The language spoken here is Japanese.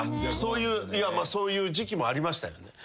そういう時期もありましたよ。